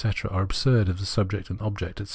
are absurd if subject and object, etc.